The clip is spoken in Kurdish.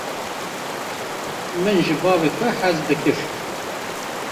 Min ji bavê xwe hez dikir.